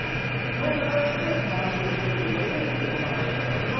飲んで帰って来て話をしようと言ったときにお子さんがいらっしゃったわけでしょ？